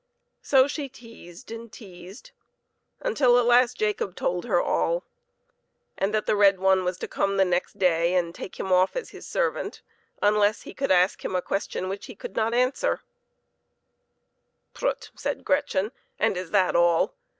So she teased and teased, until at last Jacob told her all, and that the red one was to come the next day and take him off as his servant, unless he could ask him a question which he could not answer. 6 PEPPER AND SALT. " Prut !" said Gretchen, " and is that all